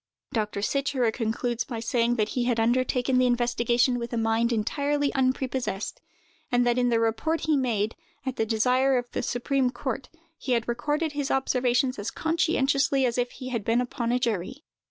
Dr. Sicherer concludes by saying that he had undertaken the investigation with a mind entirely unprepossessed; and that in the report he made, at the desire of the supreme court, he had recorded his observations as conscientiously as if he had been upon a jury.